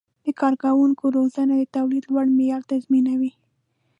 د کارکوونکو روزنه د تولید لوړ معیار تضمینوي.